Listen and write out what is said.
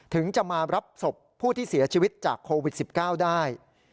ถึงจะมารับศพผู้ที่เสียชีวิตจากโควิด๑๙ได้